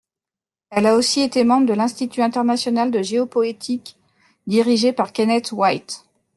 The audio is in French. Elle a aussi été membre de l'Institut international de géopoétique, dirigé par Kenneth White.